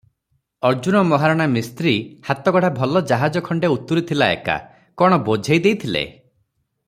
ଅର୍ଜୁନ ମହାରଣା ମିସ୍ତ୍ରୀ ହାତଗଢ଼ା ଭଲ ଜାହାଜ ଖଣ୍ଡେ ଉତୁରିଥିଲା ଏକା- କଣ ବୋଝେଇ ଦେଇଥିଲେ?